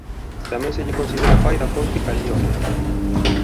Tamén se lle considera pai da fonte Calíorre.